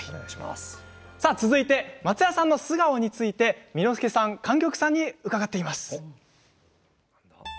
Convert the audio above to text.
続いて松也さんの素顔について巳之助さん、莟玉さんに伺っています。